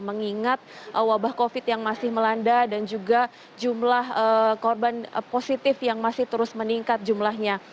mengingat wabah covid yang masih melanda dan juga jumlah korban positif yang masih terus meningkat jumlahnya